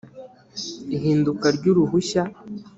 ihinduka ry’uruhushya